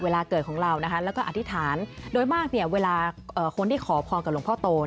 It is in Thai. แล้วก็อธิษฐานโดยมากเนี่ยเวลาคนที่ขอพรกับหลวงพ่อโต